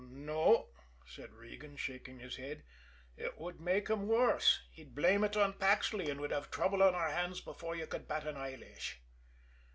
"No," said Regan, shaking his head. "It would make him worse. He'd blame it on Paxley, and we'd have trouble on our hands before you could bat an eyelash."